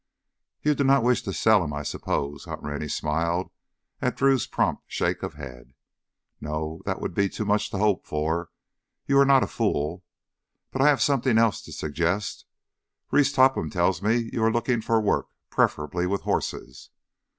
"You do not wish to sell him, I suppose?" Hunt Rennie smiled at Drew's prompt shake of head. "No, that would be too much to hope for, you are not a fool. But I have something else to suggest. Reese Topham tells me you are looking for work, preferably with horses.